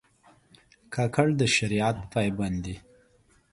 کاکړ د شریعت پابند دي.